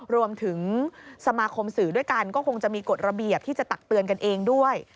รวมถึงสมาคมสื่อด้วยกันก็คงจะมีกฎระเบียบที่จะตักเตือนกันเองด้วย